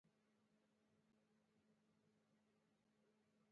یوازې د جملې په معنا پوه شوم او بس.